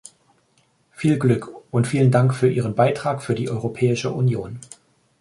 Viel Glück und vielen Dank für ihren Beitrag für die Europäische Union.